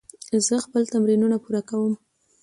زه خپل تمرینونه پوره کوم.